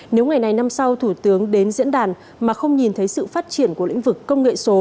nếu ngày này năm sau thủ tướng đến diễn đàn mà không nhìn thấy sự phát triển của lĩnh vực công nghệ số